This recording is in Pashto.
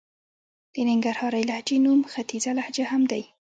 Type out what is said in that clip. د ننګرهارۍ لهجې نوم ختيځه لهجه هم دئ.